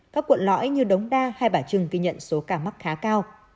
các quận lõi như đống đa hay bả trừng ghi nhận số ca mắc khá cao